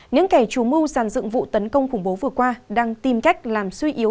những kẻ trù mưu sàn dựng vụ tấn công khủng bố vừa qua đang tìm cách làm suy yếu